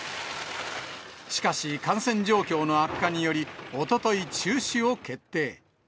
しかし感染状況の悪化により、おととい中止を決定。